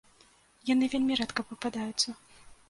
Яны вельмі рэдка пападаюцца.